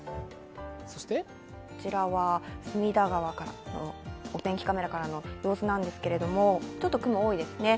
こちらは隅田川のお天気カメラからの様子なんですけど、ちょっと雲、多いですね。